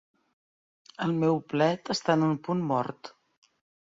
El meu plet està en un punt mort.